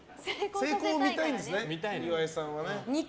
成功を見たいんですね岩井さんは。